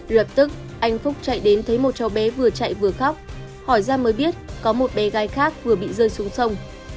lập tức anh phúc chạy đến thấy một cháu bé vừa chạy vừa khóc hỏi ra mới biết có một bé gái khác vừa bị rơi xuống sông